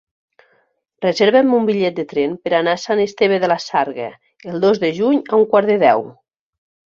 Reserva'm un bitllet de tren per anar a Sant Esteve de la Sarga el dos de juny a un quart de deu.